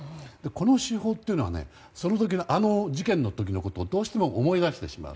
この手法というのはあの事件の時のことをどうしても思い出してしまう。